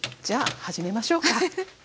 じゃあ始めましょうか。